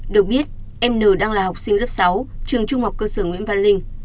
được biết em n đang là học sinh lớp sáu trường trung học cơ sở nguyễn văn linh